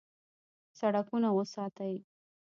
سړکونه وساتئ